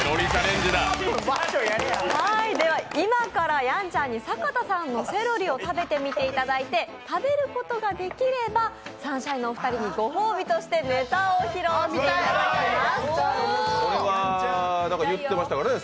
今から、やんちゃんに坂田さんのセロリを食べてみていただいて、食べることができればサンシャインのお二人にご褒美としてネタを披露していただきます。